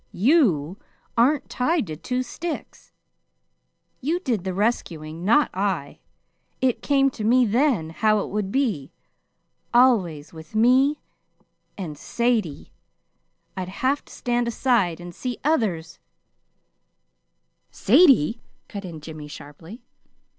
YOU aren't tied to two sticks. You did the rescuing, not I. It came to me then how it would be, always, with me and Sadie. I'd have to stand aside and see others " "SADIE!" cut in Jimmy, sharply.